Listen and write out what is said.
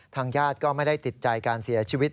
ทางญาติก็ไม่ได้ติดใจการเสียชีวิต